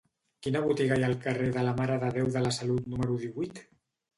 Quina botiga hi ha al carrer de la Mare de Déu de la Salut número divuit?